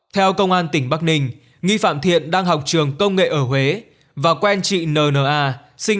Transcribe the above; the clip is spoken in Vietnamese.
theo công an tỉnh bắc ninh nghi phạm thiện đang học trường công nghệ ở huế và quen chị n a sinh